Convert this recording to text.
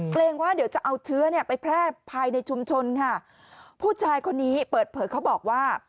เกรงว่าเดี๋ยวจะเอาเชื้อเนี่ยไปแพร่ภายในชุมชนค่ะผู้ชายคนนี้เปิดเผยเขาบอกว่า